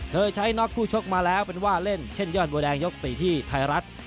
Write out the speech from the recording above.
เคยใช้น็อกคู่ชกมาแล้วเป็นว่าเล่นเช่นยอดมวยแดงยก๔ที่ไทยรัฐ